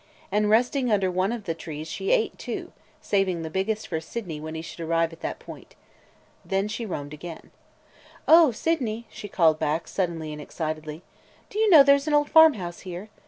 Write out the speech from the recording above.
and resting under one of the trees she ate two, saving the biggest for Sydney when he should arrive at that point. Then she roamed on again. "O Sydney!" she called back, suddenly and excitedly, "do you know there 's an old farmhouse here?